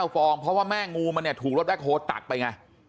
ฟองเพราะว่าแม่งูมันเนี่ยถูกรถแบ็คโฮลตักไปไง